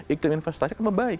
iklib investasi akan membaik